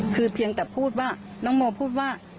คือเพียงแต่พูดว่าน้องโมพูดว่า